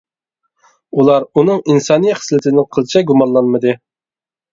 ئۇلار ئۇنىڭ ئىنسانىي خىسلىتىدىن قىلچە گۇمانلانمىدى.